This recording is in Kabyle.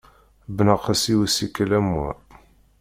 Bnaqes i usikel am wa!